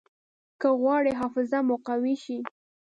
که غواړئ حافظه مو قوي شي.